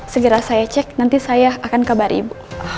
segera saya cek nanti saya akan kabar ibu